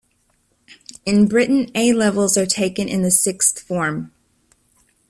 In Britain, A-levels are taken in the sixth form